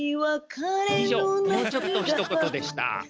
以上「もうちょっとひと言！」でした。